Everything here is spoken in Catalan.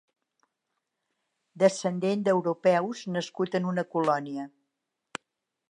Descendent d'europeus nascut en una colònia.